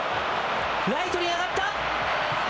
ライトに当たった。